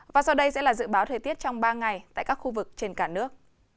và sau đây sẽ là dự báo thời tiết trong ba ngày tại các khu vực trên cả nước